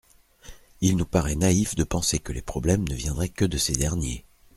Il nous paraît naïf de penser que les problèmes ne viendraient que de ces derniers.